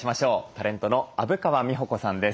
タレントの虻川美穂子さんです。